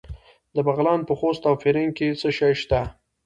د بغلان په خوست او فرنګ کې څه شی شته؟